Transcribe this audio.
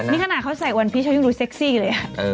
นี่ขนาดเขาใส่วันพีชเขายังดูเซ็กซี่เลย